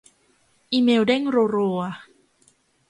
อีเมลเด้งรัวรัว